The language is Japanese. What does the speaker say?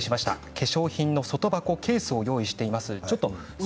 化粧品の外箱、ケースを用意しています。